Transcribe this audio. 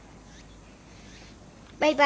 バイバイ。